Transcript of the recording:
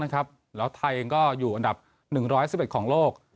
นะครับแล้วไทยเองก็อยู่อันดับหนึ่งร้อยสิบเอ็ดของโลก